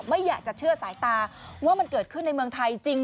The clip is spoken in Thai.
ไม่อยากจะเชื่อสายตาว่ามันเกิดขึ้นในเมืองไทยจริง